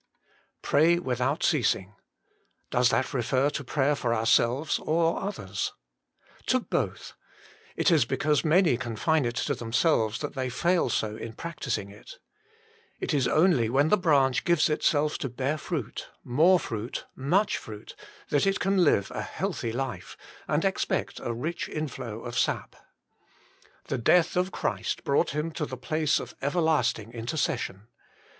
Pray without Ceasing. Does that refer to prayer for ourselves or others ? To both. It is because many confine it to themselves that they fail so in practising it. It is only when the branch gives itself to bear fruit, more fruit, much fruit, that it can live a healthy life, and expect a rich inflow of sap. The death of Christ brought Him to the place of everlasting intercession.